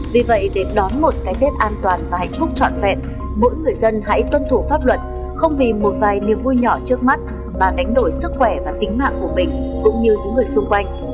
vì vậy để đón một cái tết an toàn và hạnh phúc trọn vẹn mỗi người dân hãy tuân thủ pháp luật không vì một vài niềm vui nhỏ trước mắt mà đánh đổi sức khỏe và tính mạng của mình cũng như những người xung quanh